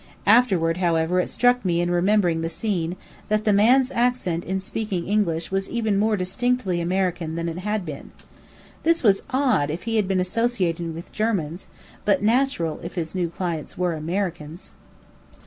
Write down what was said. Afterward, however, it struck me in remembering the scene, that the man's accent in speaking English was even more distinctly American than it had been. This was odd, if he had been associating with Germans; but natural if his new clients were Americans.